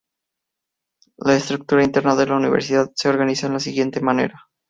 La estructura interna de la Universidad se organiza de la siguiente manera.